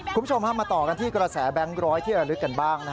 คุณผู้ชมมาต่อกันที่กระแสแบงค์ร้อยที่ระลึกกันบ้าง